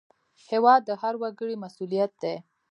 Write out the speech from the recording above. هېواد د هر وګړي مسوولیت دی